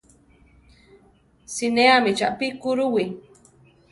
Sineámi chápi kurúwi.